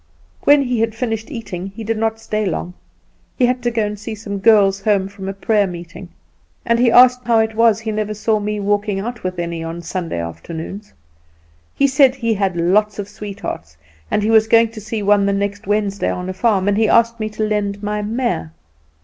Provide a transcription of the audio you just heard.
"When he had finished eating he did not stay long; he had to go and see some girls home from a prayer meeting; and he asked how it was he never saw me walking out with any on Sunday afternoons. He said he had lots of sweethearts, and he was going to see one the next Wednesday on a farm, and he asked me to lend my mare.